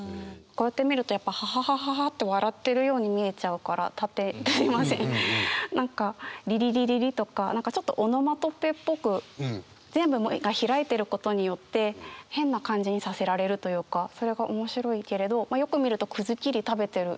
こうやって見るとやっぱ「ははははは」って笑ってるように見えちゃうから何か「りりりりり」とか何かちょっとオノマトペっぽく全部もう一回開いてることによって変な感じにさせられるというかそれが面白いけれどまあよく見るとくずきり食べてる。